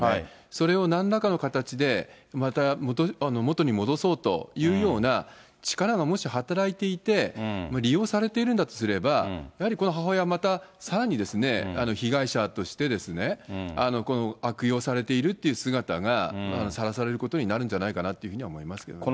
それをなんらかの形で、また元に戻そうというような力がもし働いて、利用されてるんだとすれば、やはりこの母親また、さらに被害者として、悪用されているっていう姿がさらされることになるんじゃないかなと思いますけどね。